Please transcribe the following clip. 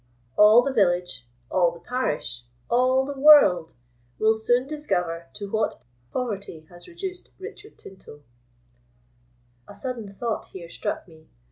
All the village—all the parish—all the world—will soon discover to what poverty has reduced Richard Tinto." A sudden thought here struck me.